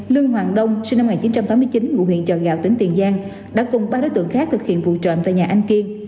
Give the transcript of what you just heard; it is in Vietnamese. lương hoàng đông sinh năm một nghìn chín trăm tám mươi chín ngụ huyện chợ gạo tỉnh tiền giang đã cùng ba đối tượng khác thực hiện vụ trộm tại nhà anh kiên